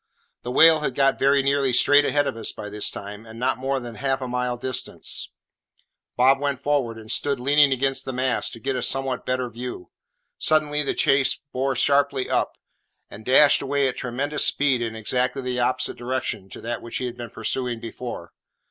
The whale had got very nearly straight ahead of us by this time, and not more than half a mile distant. Bob went forward, and stood leaning against the mast, to get a somewhat better view. Suddenly, the chase bore sharply up, and dashed away at tremendous speed in exactly the opposite direction to that which he had been pursuing before.